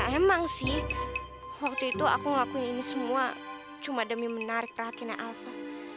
ya emang sih waktu itu aku ngelakuin ini semua cuma demi menarik perhatiannya alva